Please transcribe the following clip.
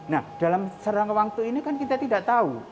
nah dalam sejarah kewaktu ini kan kita tidak tahu